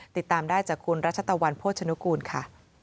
ติดตามได้จากคุณรัชตะวันโภชนุกูลค่ะ